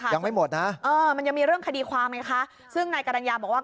ใช่ค่ะมันยังมีเรื่องคดีความไหมคะซึ่งนายการัญญาบอกว่า